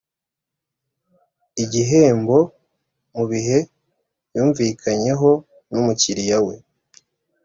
igihembo mu bihe yumvikanyeho n umukiriya we